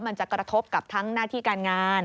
มันจะกระทบกับทั้งหน้าที่การงาน